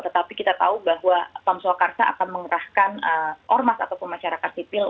tetapi kita tahu bahwa pam swakarsa akan mengerahkan ormas ataupun masyarakat sipil